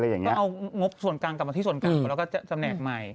ก็เอางบส่วนกลางกลับมาที่ส่วนกลางแล้วก็จะแหนกใหม่